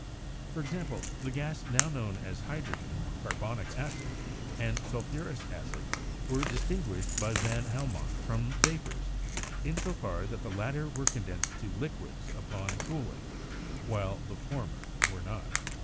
For example, the gases now known as hydrogen, carbonic acid, and sulphurous acid were distinguished by van Helmont from vapors, in so far that the latter were condensed to liquids upon cooling, while the former were not.